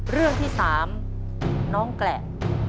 เรื่องที่๓น้องแกร่ง